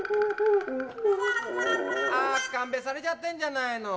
あっかんべされちゃってんじゃないの。